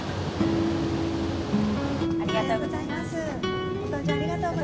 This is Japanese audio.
ご搭乗ありがとうございます。